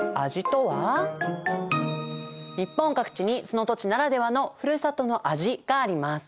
日本各地にその土地ならではのふるさとの味があります。